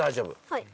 はい。